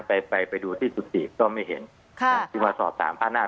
ไปไปไปดูที่สุจิก็ไม่เห็นค่ะที่มาสอบถามพระนาค